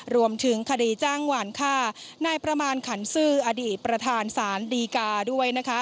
รวมถึงคดีจ้างหวานฆ่านายประมาณขันซื่ออดีตประธานศาลดีกาด้วยนะคะ